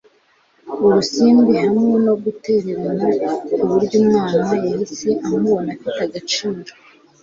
urusimbi hamwe no gutererana kuburyo umwana yahise amubona afite agaciro